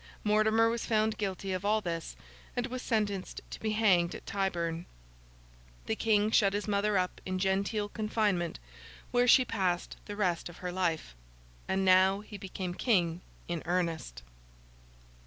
Mortimer was found guilty of all this, and was sentenced to be hanged at Tyburn. The King shut his mother up in genteel confinement, where she passed the rest of her life; and now he became King in earnest.